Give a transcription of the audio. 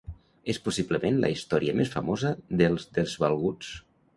És possiblement la història més famosa dels desvalguts.